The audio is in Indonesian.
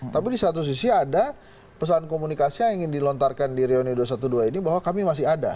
tapi di satu sisi ada pesan komunikasi yang ingin dilontarkan di reuni dua ratus dua belas ini bahwa kami masih ada